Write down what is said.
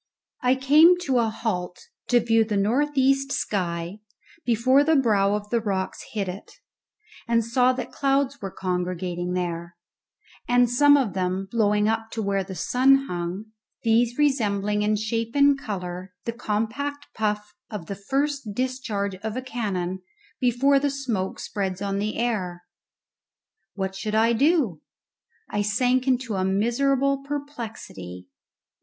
I came to a halt to view the north east sky before the brow of the rocks hid it, and saw that clouds were congregating there, and some of them blowing up to where the sun hung, these resembling in shape and colour the compact puff of the first discharge of a cannon before the smoke spreads on the air. What should I do? I sank into a miserable perplexity.